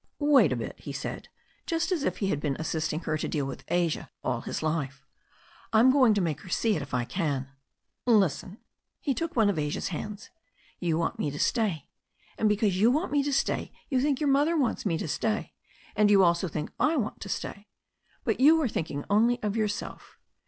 "Wait a bit," he said, just as if he had been assisting her to deal with Asia all his life. "Fm going to make her see it if I can." '> "Listen," he tooklbne of Asia's hands. "You want me to f stay, and because you want me to stay you think your mother wants me to stay, and you also think I want to stay* But you are thinking only of yourself.